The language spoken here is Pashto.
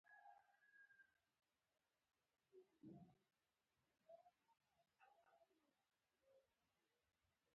د پورتني مثال په شان طالبان په دوو برخو ویشل کېدای شي